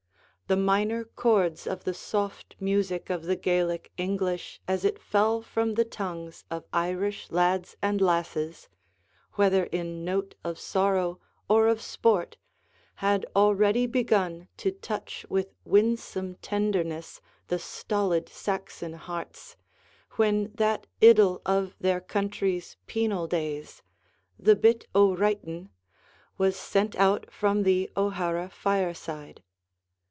The minor chords of the soft music of the Gaelic English as it fell from the tongues of Irish lads and lasses, whether in note of sorrow or of sport, had already begun to touch with winsome tenderness the stolid Saxon hearts, when that idyl of their country's penal days, 'The Bit o' Writin',' was sent out from the O'Hara fireside.